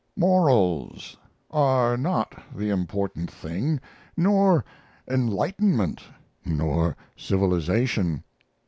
MORALS are not the important thing nor enlightenment nor civilization.